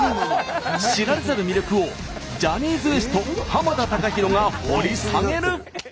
知られざる魅力をジャニーズＷＥＳＴ田崇裕が掘り下げる。